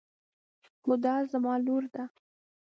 هُدا زما لور ده.